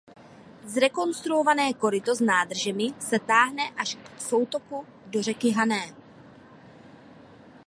Zrekonstruované koryto s nádržemi se táhne až k soutoku do řeky Hané.